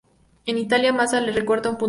En Italia, Massa le recorta un punto más.